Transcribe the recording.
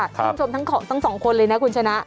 คุณผู้ชมทั้งสองคนเลยนะคุณชนะ